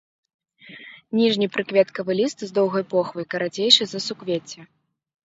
Ніжні прыкветкавы ліст з доўгай похвай, карацейшы за суквецце.